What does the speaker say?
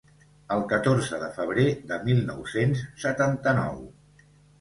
El catorze de febrer de mil nou-cents setanta-nou.